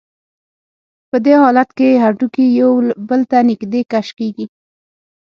په دې حالت کې هډوکي یو بل ته نږدې کش کېږي.